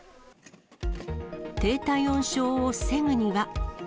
低体温症を防ぐには。